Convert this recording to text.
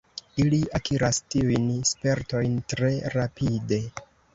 Ili akiras tiujn spertojn tre rapide.